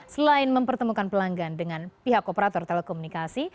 selain mempertemukan pelanggan dengan pihak operator telekomunikasi